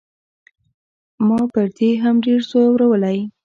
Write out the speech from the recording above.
ما پر دې هم ډېر زورولی.